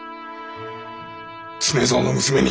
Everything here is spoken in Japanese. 常蔵の娘に。